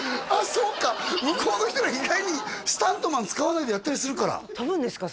そうか向こうの人ら意外にスタントマン使わないでやったりするから飛ぶんですか？